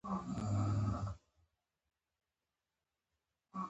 ورور ته د ښو خبرو تمه لرې.